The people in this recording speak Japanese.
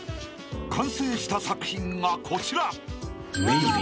［完成した作品がこちら］